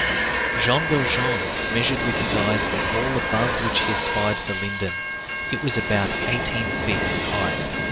Jean Valjean measured with his eyes the wall above which he espied the linden; it was about eighteen feet in height.